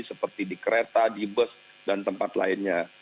seperti di kereta di bus dan tempat lainnya